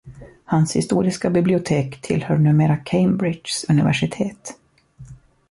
Hans historiska bibliotek tillhör numera Cambridges universitet.